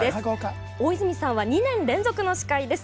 大泉さんは２年連続の司会です。